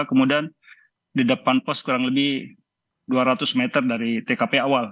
kemudian di depan pos kurang lebih dua ratus meter dari tkp awal